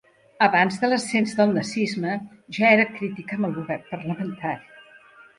Abans de l'ascens del nazisme, ja era crític amb el govern parlamentari.